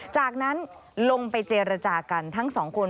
จากนั้นลงไปเจรจากันทั้งสองคน